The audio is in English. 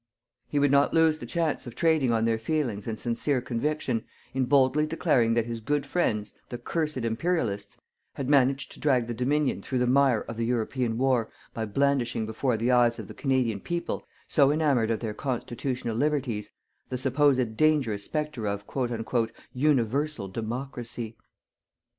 He would not lose the chance of trading on their feelings and sincere conviction, in boldly declaring that his good friends, the cursed Imperialists, had managed to drag the Dominion through the mire of the European war by blandishing before the eyes of the Canadian people, so enamoured of their constitutional liberties, the supposed dangerous spectre of "universal democracy."